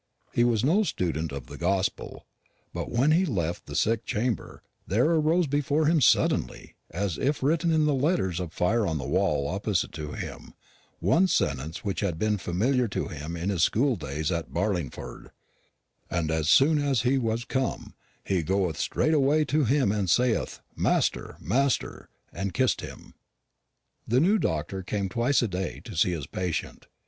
He was no student of the gospel; but when he had left the sick chamber there arose before him suddenly, as if written in letters of fire on the wall opposite to him, one sentence which had been familiar to him in his school days at Barlingford: And as soon as he was come, he goeth straightway to him, and saith, Master, master; and kissed him. The new doctor came twice a day to see his patient.